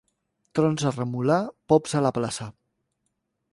Trons a Remolar, pops a la plaça.